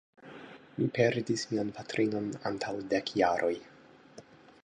Mi perdis mian patrinon antaŭ dek jaroj.